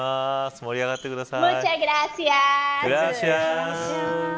盛り上がってください。